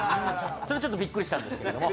それはちょっとびっくりしたんですけども。